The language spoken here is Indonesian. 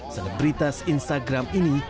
selain berita instagram ini